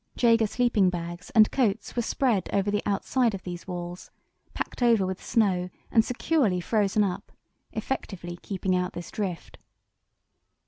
Jaeger sleeping bags and coats were spread over the outside of these walls, packed over with snow and securely frozen up, effectively keeping out this drift.